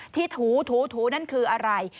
ถูถูนั่นคืออะไร